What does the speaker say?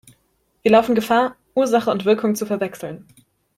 Wir laufen Gefahr, Ursache und Wirkung zu verwechseln.